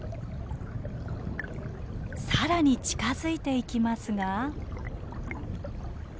さらに近づいていきますが。